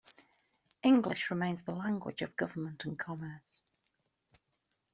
English remains the language of government and commerce.